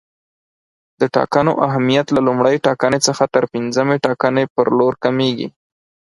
د ټاکنو اهمیت له لومړۍ ټاکنې څخه تر پنځمې ټاکنې پر لور کمیږي.